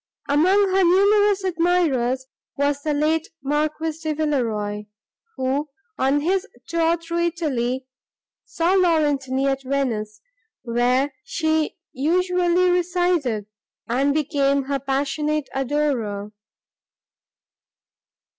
Among her numerous admirers was the late Marquis de Villeroi, who, on his tour through Italy, saw Laurentini at Venice, where she usually resided, and became her passionate adorer.